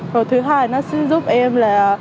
rồi thứ hai là nó giúp em